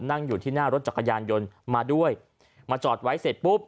นั่งอยู่ที่หน้ารถจักรยานยนต์มาด้วยมาจอดไว้เสร็จปุ๊บ